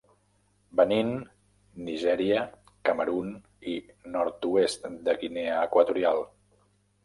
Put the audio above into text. Benín, Nigèria, Camerun i nord-oest de Guinea Equatorial.